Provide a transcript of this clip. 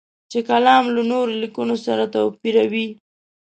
چې کالم له نورو لیکنو سره توپیروي.